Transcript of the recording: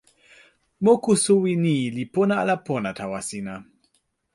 moku suwi ni li pona ala pona tawa sina?